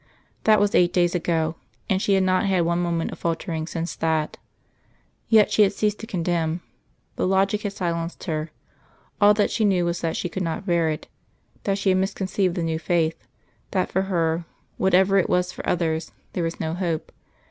That was eight days ago; and she had not had one moment of faltering since that. Yet she had ceased to condemn. The logic had silenced her. All that she knew was that she could not bear it; that she had misconceived the New Faith; that for her, whatever it was for others, there was no hope....